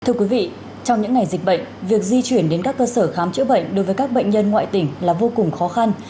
thưa quý vị trong những ngày dịch bệnh việc di chuyển đến các cơ sở khám chữa bệnh đối với các bệnh nhân ngoại tỉnh là vô cùng khó khăn